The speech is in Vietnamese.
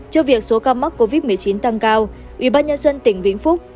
trước việc số ca mắc covid một mươi chín tăng cao ubnd tỉnh vĩnh phúc